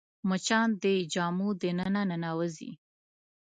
مچان د جامو دننه ننوځي